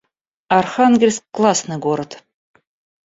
Архангельск — классный город